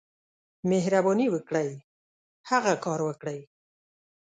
مهرباني وکړئ، هغه کار وکړئ.